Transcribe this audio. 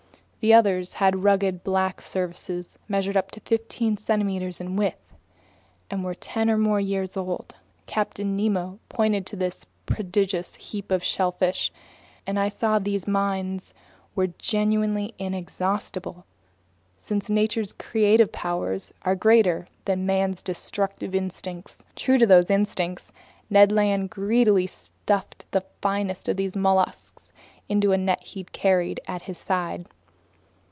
The others had rugged black surfaces, measured up to fifteen centimeters in width, and were ten or more years old. Captain Nemo pointed to this prodigious heap of shellfish, and I saw that these mines were genuinely inexhaustible, since nature's creative powers are greater than man's destructive instincts. True to those instincts, Ned Land greedily stuffed the finest of these mollusks into a net he carried at his side.